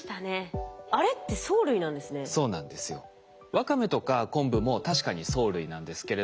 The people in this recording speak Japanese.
ワカメとか昆布も確かに藻類なんですけれども